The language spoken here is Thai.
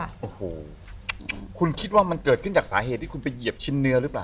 โอ้โหคุณคิดว่ามันเกิดขึ้นจากสาเหตุที่คุณไปเหยียบชิ้นเนื้อหรือเปล่า